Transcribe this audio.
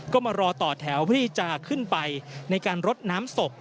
ก็มารอต่อแถวพฤติศาสตร์ขึ้นไปในการรดน้ำศพ